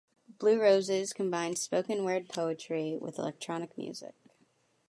Blue Roses combines spoken word poetry with electronic music.